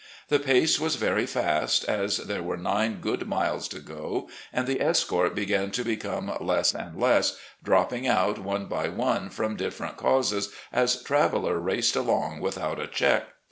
The pace was very fast, as there were nine good miles to go, and the escort began to become less and less, dropping out one by one from different causes as Traveller raced along without a check.